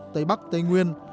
tây bắc tây nguyên